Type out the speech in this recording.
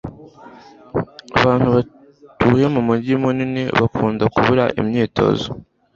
Abantu batuye mumujyi munini bakunda kubura imyitozo.